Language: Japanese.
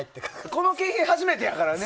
この景品初めてやからね